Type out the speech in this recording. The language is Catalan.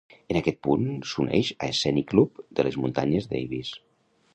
En aquest punt, s'uneix a Scenic Loop de les muntanyes Davis.